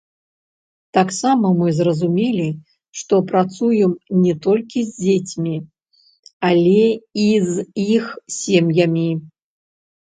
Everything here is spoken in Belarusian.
Таксама мы зразумелі, што працуем не толькі з дзецьмі, але і з іх сем'ямі.